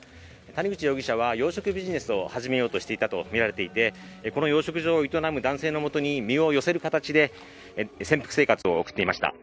谷口容疑者は養殖ビジネスを始めようとしていたとみられていてこの養殖場を営む男性のもとに身を寄せる形で潜伏生活を送っていました。